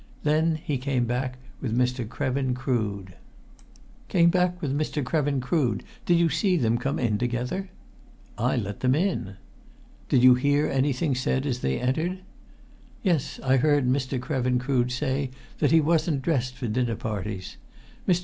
Then he came back with Mr. Krevin Crood." "Came back with Mr. Krevin Crood. Did you see them come in together?" "I let them in." "Did you hear anything said as they entered?" "Yes, I heard Mr. Krevin Crood say that he wasn't dressed for dinner parties. Mr.